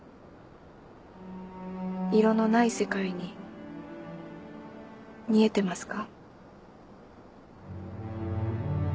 色のない世界に見えてますか？